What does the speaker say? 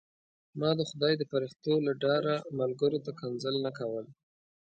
ما د خدای د فرښتو له ډاره ملګرو ته کنځل نه کول.